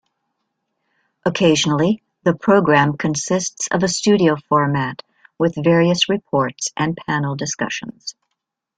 Occasionally, the programme consists of a studio format with various reports and panel discussions.